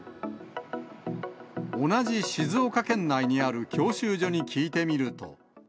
同じ静岡県内にある教習所に聞いてみると。